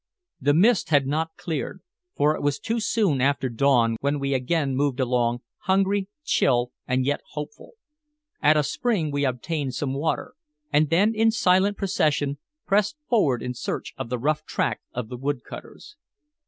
The mist had not cleared, for it was soon after dawn when we again moved along, hungry, chill, and yet hopeful. At a spring we obtained some water, and then, in silent procession, pressed forward in search of the rough track of the woodcutters.